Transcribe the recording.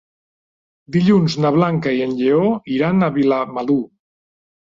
Dilluns na Blanca i en Lleó iran a Vilamalur.